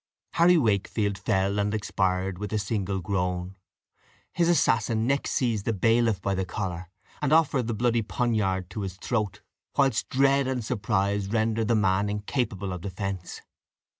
Harry Wakefield fell and expired with a single groan. His assassin next seized the bailiff by the collar, and offered the bloody poniard to his throat, whilst dread and surprise rendered the man incapable of defence.